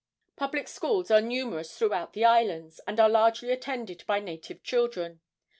Public schools are numerous throughout the islands, and are largely attended by native children.